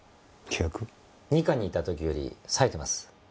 二課にいた時より冴えてます。